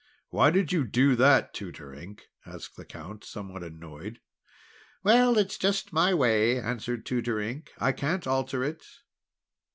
"Why did you do that, Tutor Ink?" asked the Count, somewhat annoyed. "Well, it's just my way!" answered Tutor Ink; "I can't alter it!"